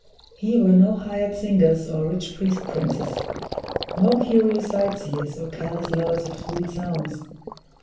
Here were no hired singers or rich priest princes; no curious sight seers, or careless lovers of sweet sounds.